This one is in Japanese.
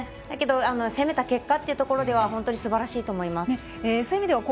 だけど攻めた結果という意味ではすばらしいと思います。